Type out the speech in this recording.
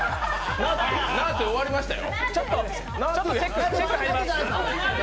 ナートゥ終わりましたよ。